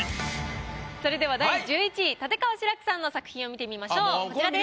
それでは第１１位立川志らくさんの作品を見てみましょうこちらです。